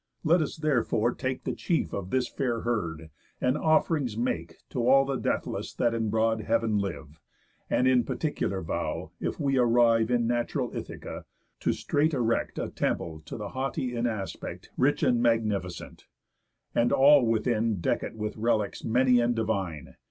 Let us, therefore, take The chief of this fair herd, and off'rings make To all the Deathless that in broad heav'n live, And in particular vow, if we arrive In natural Ithaca, to straight erect A temple to the Haughty in aspect, Rich and magnificent, and all within Deck it with relics many and divine.